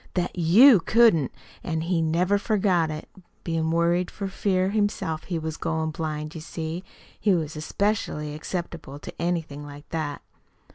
That YOU couldn't. An' he never forgot it. Bein' worried for fear he himself was goin' blind, you see, he was especially acceptable to anything like that."